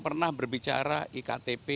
pernah berbicara iktp